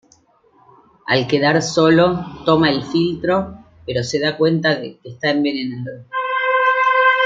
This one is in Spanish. Al quedar solo, toma el filtro, pero se da cuenta de que está envenenado.